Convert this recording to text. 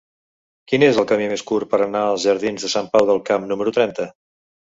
Quin és el camí més curt per anar als jardins de Sant Pau del Camp número trenta?